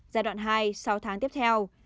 giai đoạn hai sáu tháng tiếp theo